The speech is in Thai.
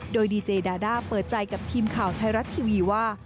โดยดีเจดาด้าเปิดใจกับทีมข่าวไทยรัฐทีวีว่า